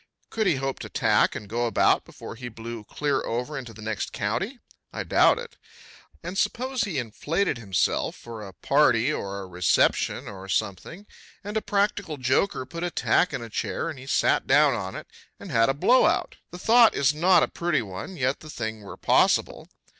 Could he hope to tack and go about before he blew clear over into the next county? I doubt it. And suppose he inflated himself for a party or a reception or something, and a practical joker put a tack in a chair and he sat down on it and had a blow out. The thought is not a pretty one, yet the thing were possible.